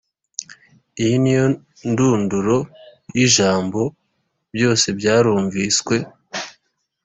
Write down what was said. Iyi niyo ndunduro y‟ijambo, byose byarumviswe.